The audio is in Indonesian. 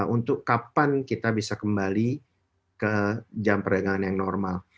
untuk kapan kita bisa kembali ke jam perdagangan yang normal